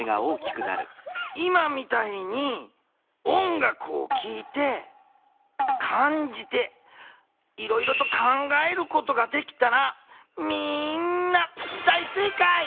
今みたいに音楽を聴いて感じていろいろと考えることができたらみんな大正解！